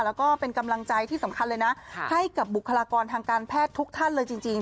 แล้วก็เป็นกำลังใจที่สำคัญเลยนะให้กับบุคลากรทางการแพทย์ทุกท่านเลยจริง